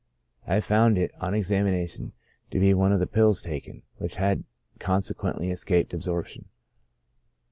I found it, on exami nation, to be one of the pills taken, which had consequently escaped absorption.